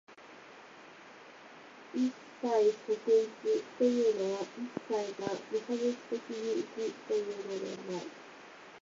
一切即一というのは、一切が無差別的に一というのではない。